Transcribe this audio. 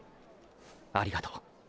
ありがとう。